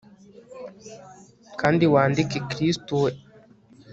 Kandi wandike kristu yawe yakonje